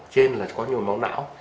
trên là có nhồi máu não